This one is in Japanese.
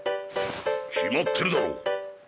決まってるだろ。